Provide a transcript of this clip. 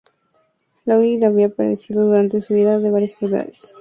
Laughlin había padecido durante su vida de varias enfermedades.